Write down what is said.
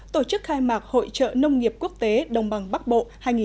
tổ chức khai mạc hội trợ nông nghiệp quốc tế đồng bằng bắc bộ hai nghìn hai mươi